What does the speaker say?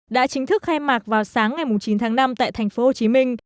đã chính thức khai mạc vào sáng ngày chín tháng năm tại thành phố hồ chí minh